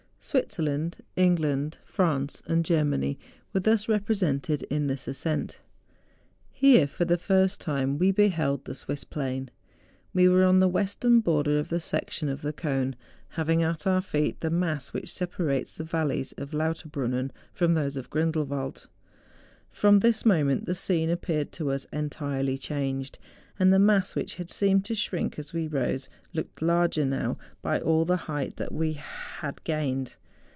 Switzerland, England, France, and Germany, were thus represented in this ascent. Here, for the first time, we beheld the Swiss plain. We were on the western border of the sec¬ tion of the cone, having at our feet the mass which separates the valleys of Lauterbrunnen from, those of Grindewald. From this moment the scene appeared to us entirely changed, and the mass which had seemed to shrink as we rose, looked larger now by all the height we had gained.